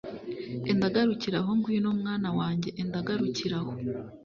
enda garukira aho ngwino mwana wanjye, enda garukira aho